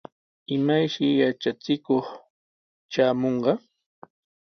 ¿Imayshi yatrachikuq traamunqa?